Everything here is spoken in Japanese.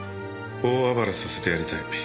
大暴れさせてやりたい。